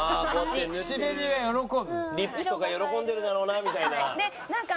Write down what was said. リップとか喜んでるだろうなみたいな？